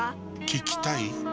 聞きたい？